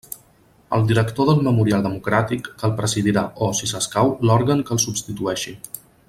El director del Memorial Democràtic, que el presidirà, o, si s'escau, l'òrgan que el substitueixi.